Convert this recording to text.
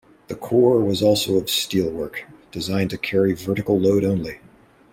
The core was also of steelwork, designed to carry vertical load only.